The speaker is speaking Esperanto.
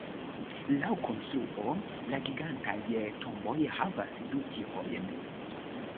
Laŭ konstruo, la gigantaj tomboj havas du tipojn.